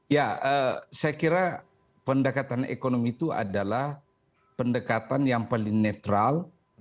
ya saya kira pendekatan ekonomi itu adalah pendekatan yang paling netral